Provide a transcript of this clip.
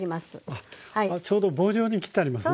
あっちょうど棒状に切ってありますね。